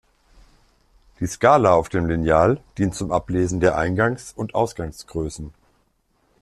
Die Skala auf dem Lineal dient zum Ablesen der Eingangs- und Ausgangsgrößen.